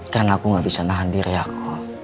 karena aku gak bisa nahan diri aku